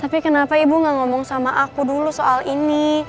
tapi kenapa ibu gak ngomong sama aku dulu soal ini